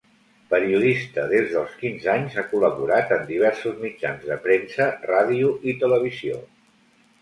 Periodista des dels quinze anys, ha col·laborat en diversos mitjans de premsa, ràdio i televisió.